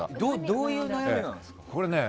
どういう悩みなんですか？